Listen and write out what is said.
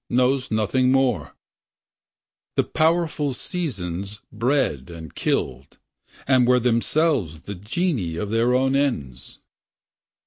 Knows nothing more . The powerful seasons bred and killed. And were themselves the genii Of their own ends.